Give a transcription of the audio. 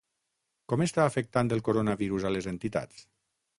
Com està afectant el coronavirus a les entitats?